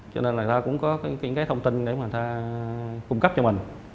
cho nên là người ta cũng có những cái thông tin để mà người ta cung cấp cho mình